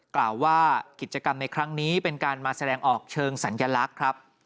กล่าวว่ากิจกรรมในครั้งนี้เป็นการมาแสดงออกเชิงสัญลักษณ์ครับ